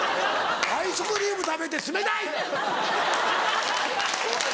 アイスクリーム食べて冷たい！